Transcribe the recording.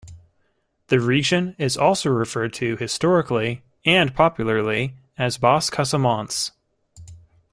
The region is also referred to historically and popularly as Basse Casamance.